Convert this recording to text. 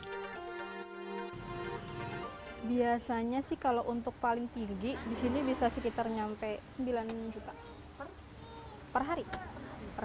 pandemi biasanya sih kalau untuk paling tinggi disini bisa sekitar nyampe sembilan juta per hari per